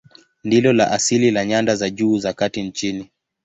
Ndilo la asili la nyanda za juu za kati nchini.